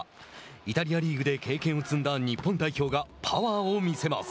イタリアリーグで経験を積んだ日本代表がパワーを見せます。